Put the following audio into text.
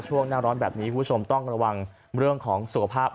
ช่วงหน้าร้อนแบบนี้คุณผู้ชมต้องระวังเรื่องของสุขภาพ